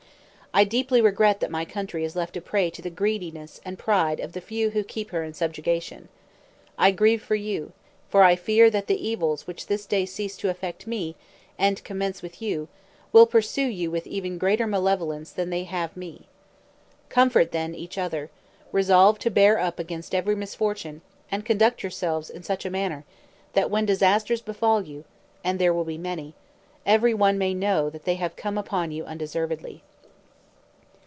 I deeply regret that my country is left a prey to the greediness and pride of the few who keep her in subjection. I grieve for you; for I fear that the evils which this day cease to affect me, and commence with you, will pursue you with even greater malevolence than they have me. Comfort, then, each other; resolve to bear up against every misfortune, and conduct yourselves in such a manner, that when disasters befall you (and there will be many), every one may know they have come upon you undeservedly."